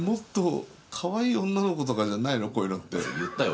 もっとこういうのって言ったよ